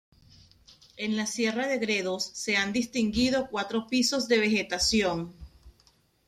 En la Sierra de Gredos se han distinguido cuatro pisos de vegetación.